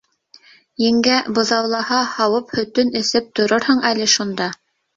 — Еңгә, быҙаулаһа, һауып һөтөн эсеп торорһоң әле шунда.